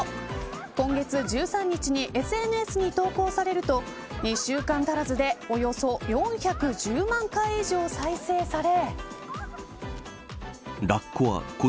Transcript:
今月１３日にＳＮＳに投稿されると２週間足らずでおよそ４１０万回以上再生され。